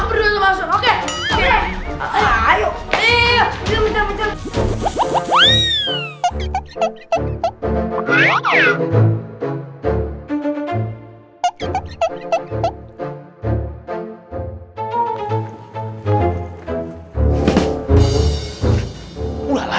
ayo bantu juga ya